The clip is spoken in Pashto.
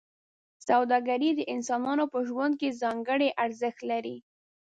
سوداګري د انسانانو په ژوند کې ځانګړی ارزښت لري.